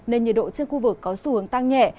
nên nhiệt độ trên khu vực có xu hướng tăng nhẹ